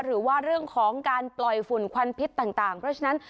หรือว่าเรื่องของการปล่อยฝุ่นควันพิษต่างเพราะฉะนั้น